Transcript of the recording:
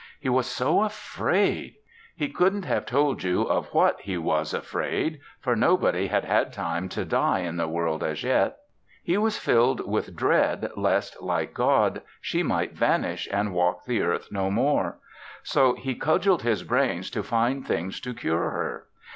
He was so afraid.... He couldn't have told you of what he was afraid, for nobody had had time to die in the world as yet. He was filled with dread lest, like God, she might vanish and walk the earth no more. So he cudgelled his brains to find things to cure her.